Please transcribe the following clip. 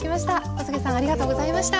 小菅さんありがとうございました。